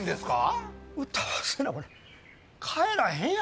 歌わせなこれ帰らへんやろ。